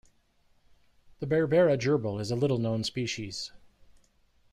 The Berbera gerbil is a little known species.